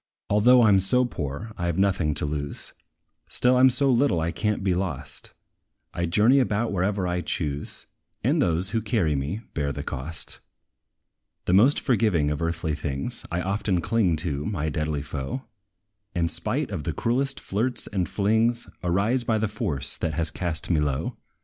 Although I 'm so poor, I have nought to lose; Still I 'm so little I can't be lost: I journey about wherever I choose, And those, who carry me, bear the cost. The most forgiving of earthly things, I often cling to my deadly foe; And, spite of the cruelest flirts and flings, Arise by the force that has cast me low.